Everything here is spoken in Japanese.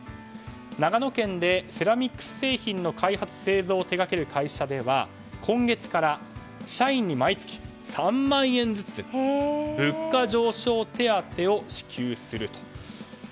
長野県でセラミック製品の開発、製造を手掛ける会社では今月から、社員に毎月３万円ずつ物価上昇手当を支給すると。